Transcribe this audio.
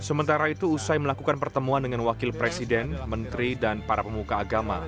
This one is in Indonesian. sementara itu usai melakukan pertemuan dengan wakil presiden menteri dan para pemuka agama